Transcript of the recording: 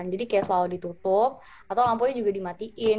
jadi kayak selalu ditutup atau lampunya juga dimatiin